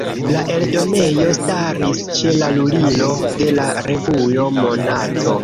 La eldonejo staris ĉe la lulilo de la revuo "Monato".